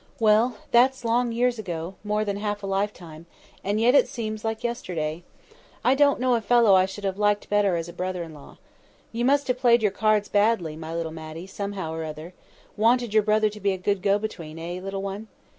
Well, that's long years ago; more than half a life time, and yet it seems like yesterday! I don't know a fellow I should have liked better as a brother in law. You must have played your cards badly, my little Matty, somehow or another—wanted your brother to be a good go between, eh, little one?"